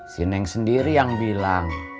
si eneng sendiri yang bilang